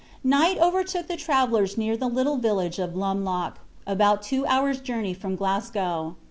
Night overtook the travelers near the little village of Lumloch, about two hours' journey from Glasgow.